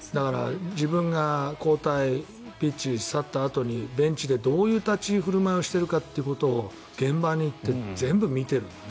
自分が交代、ピッチを去ったあとにベンチでどういう立ち振る舞いをしているかということを現場に行って全部見ている。